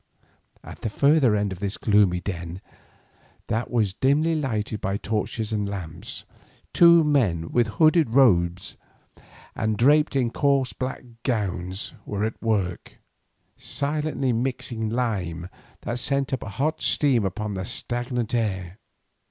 At the further end of this gloomy den, that was dimly lighted by torches and lamps, two men with hooded heads, and draped in coarse black gowns, were at work, silently mixing lime that sent up a hot steam upon the stagnant air.